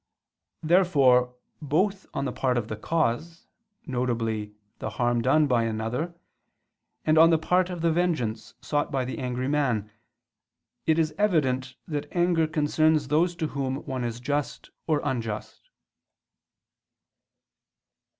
Therefore both on the part of the cause, viz. the harm done by another, and on the part of the vengeance sought by the angry man, it is evident that anger concerns those to whom one is just or unjust.